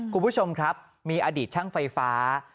คุณผู้ชมครับมีอดีตช่างไฟฟ้า